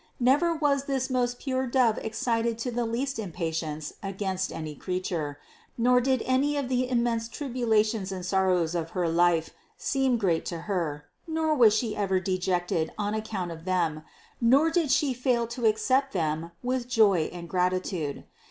Never was this most pure Dove excited to the least impatience against any creature, nor did any of the immense tribulations and sorrows of her life seem great to Her, nor was She ever dejected on account of them, nor did She fail to accept them all with joy and gratitude.